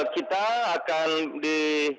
kita akan di